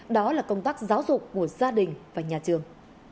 đó là công tác giáo dục của gia đình và nhà trường